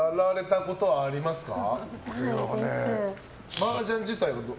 マージャン自体は？